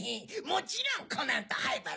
もちろんコナンと灰原もな。